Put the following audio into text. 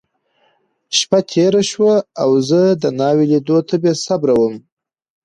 شپه تېره شوه، او زه د ناوې لیدو ته بېصبره وم.